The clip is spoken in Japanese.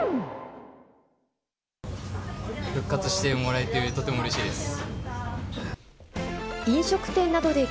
復活してもらえて、とてもうれしいです。